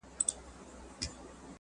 فرد له ټولني پرته ژوند نسي کولای.